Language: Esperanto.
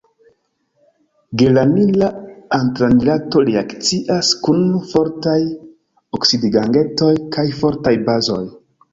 Geranila antranilato reakcias kun fortaj oksidigagentoj kaj fortaj bazoj.